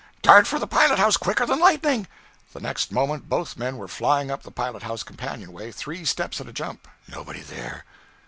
'Dart for the pilot house, quicker than lightning!' The next moment both men were flying up the pilot house companion way, three steps at a jump! Nobody there!